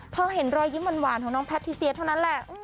พอเห็นรอยยิ้มหวานของน้องแพทิเซียเท่านั้นแหละ